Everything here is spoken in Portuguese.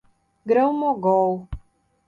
Grão Mogol